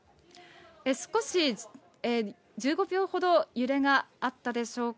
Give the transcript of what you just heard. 少し１５秒ほど揺れがあったでしょうか、